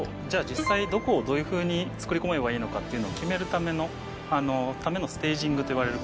実際どこをどういうふうに作り込めばいいのかっていうのを決めるためのステージングといわれる工程で。